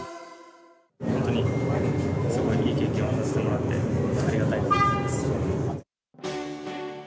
本当にすごいいい経験をさせてもらって、ありがたいなと思っています。